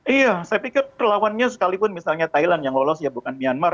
iya saya pikir perlawannya sekalipun misalnya thailand yang lolos ya bukan myanmar